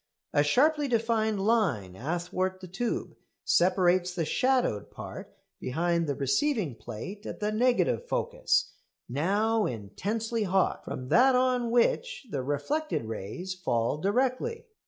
A sharply defined line athwart the tube separates the shadowed part behind the receiving plate at the negative focus now intensely hot from that on which the reflected rays fall directly.